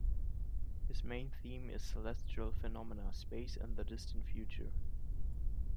His main theme is celestial phenomena, space and the distant future.